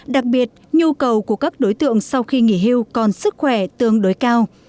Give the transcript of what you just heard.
đặc biệt nhu cầu của các đối tượng sau khi nghỉ hưu còn sức khỏe tương đối cao